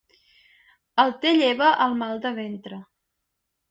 El té lleva el mal de ventre.